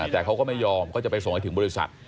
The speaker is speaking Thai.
แต่เขาก็ไม่ยอมก็จะไปส่งให้ถึงบริษัท